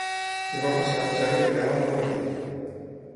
Demà passat en Jan irà a Almoradí.